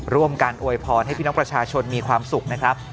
ร่วมกันอวยพรให้พี่น้องประชาชนมีความสุขนะครับ